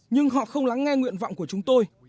nhưng họ không lắng nghe nguyện vọng của chúng tôi